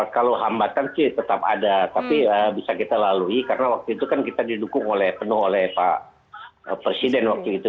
kalau hambatan sih tetap ada tapi bisa kita lalui karena waktu itu kan kita didukung penuh oleh pak presiden waktu itu